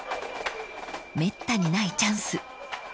［めったにないチャンス］